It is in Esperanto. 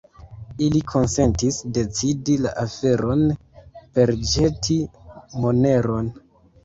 Ili konsentis decidi la aferon per ĵeti moneron.